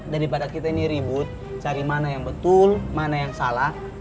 daripada kita ini ribut cari mana yang betul mana yang salah